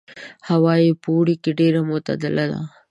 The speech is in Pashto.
هوا یې په اوړي کې ډېره معتدله ده.